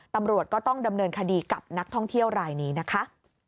ตำรวจก็ต้องดำเนินคดีกับนักท่องเที่ยวรายนี้นะคะ